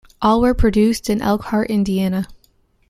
All were produced in Elkhart, Indiana.